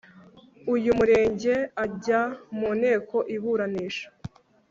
uw umurenge ajya mu nteko iburanisha